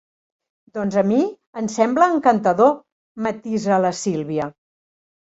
Doncs a mi em sembla encantador —matisa la Sílvia.